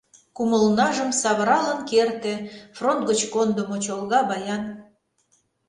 Кумылнажым савыралын керте Фронт гыч кондымо чолга баян.